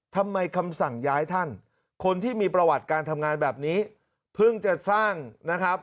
คำสั่งย้ายท่านคนที่มีประวัติการทำงานแบบนี้เพิ่งจะสร้างนะครับ